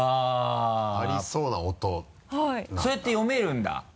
そうやって読めるんだ？